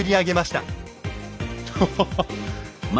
アハハッ。